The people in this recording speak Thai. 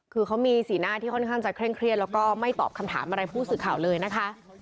คือเขามีสีหน้าที่ค่อนข้างจะเคร่งเครียดแล้วก็ไม่ตอบคำถามอะไรผู้สื่อข่าวเลยนะคะ